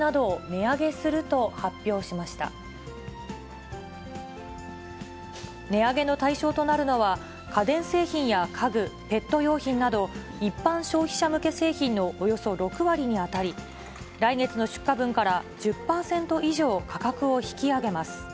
値上げの対象となるのは、家電製品や家具、ペット用品など、一般消費者向け製品のおよそ６割に当たり、来月の出荷分から１０％以上価格を引き上げます。